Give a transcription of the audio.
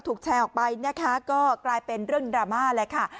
แชร์ออกไปนะคะก็กลายเป็นเรื่องดราม่าแหละค่ะ